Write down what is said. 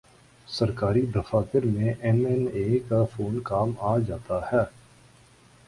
سرکاری دفاتر میں ایم این اے کا فون کام آجا تا ہے۔